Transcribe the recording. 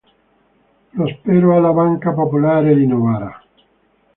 Prospero e la Banca Popolare di Novara.